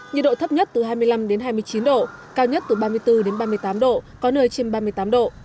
nhiệt độ thấp nhất từ hai mươi năm đến hai mươi chín độ cao nhất từ ba mươi bốn ba mươi tám độ có nơi trên ba mươi tám độ